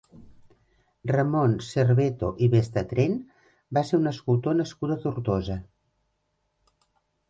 Ramon Cerveto i Bestratén va ser un escultor nascut a Tortosa.